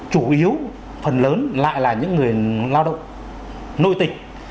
chủ yếu phần lớn lại là những người lao động nội tịch